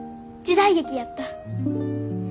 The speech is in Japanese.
時代劇やった。